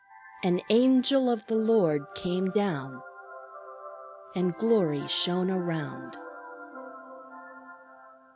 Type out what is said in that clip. "An Angel of the Lord came down, And glory shone around."